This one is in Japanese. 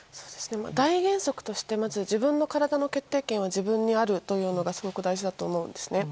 大原則として自分の体の決定権は自分にあるというのがすごく大事だと思うんですね。